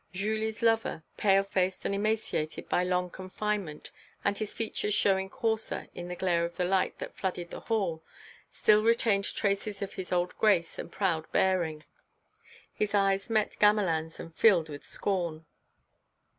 Julie's lover, pale faced and emaciated by long confinement and his features showing coarser in the glare of light that flooded the hall, still retained traces of his old grace and proud bearing. His eyes met Gamelin's and filled with scorn.